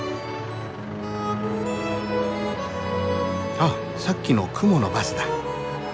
あっさっきの雲のバスだ。